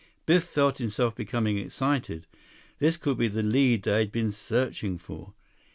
Biff felt himself becoming excited. This could be the lead they had been searching for.